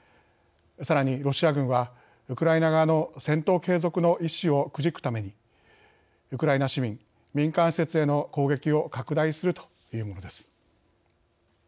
さらに、ロシア軍はウクライナ側の戦闘継続の意志をくじくためにウクライナ市民、民間施設への攻撃を拡大するというものです。